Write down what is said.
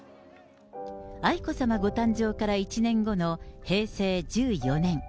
愛子さまご誕生から１年後の平成１４年。